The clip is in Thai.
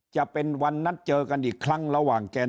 จะเป็นวันนัดเจอกันอีกครั้งระหว่างแกน